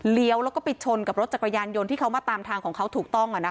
แล้วก็ไปชนกับรถจักรยานยนต์ที่เขามาตามทางของเขาถูกต้อง